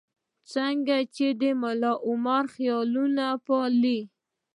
لکه څنګه چې ملاعمر خیالونه پالي.